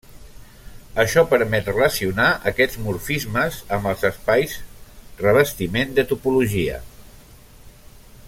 Això permet relacionar aquests morfismes amb els espais revestiment de topologia.